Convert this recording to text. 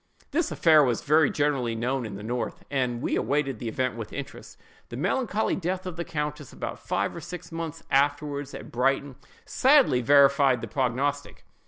This affair was very generally known in the north, and we awaited the event with interest. The melancholy death of the countess about five or six months afterward, at Brighton, sadly verified the prognostic.